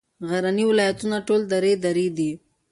غرني ولایتونه ټول درې درې دي.